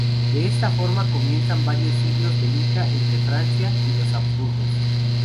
De esta forma comienzan varios siglos de lucha entre Francia y los Habsburgos.